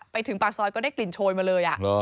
ไปถึงปากซอยก็ได้กลิ่นโชยมาเลย